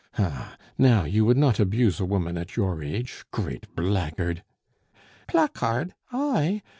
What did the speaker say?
Ah! now, you would not abuse a woman at your age, great blackguard " "Placard? I?